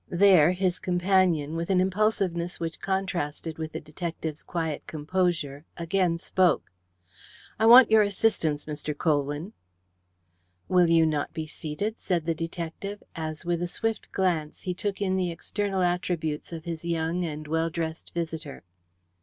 There his companion, with an impulsiveness which contrasted with the detective's quiet composure, again spoke: "I want your assistance, Mr. Colwyn." "Will you not be seated?" said the detective, as with a swift glance he took in the external attributes of his young and well dressed visitor.